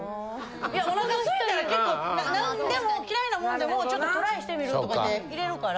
いやお腹空いたら結構何でも嫌いなもんでもちょっとトライしてみるとかって入れるから。